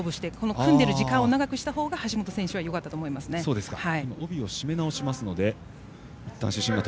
組んでいる時間を長くしたほうが橋本選手はよかったと思います。